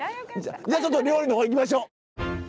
じゃあちょっと料理の方行きましょう！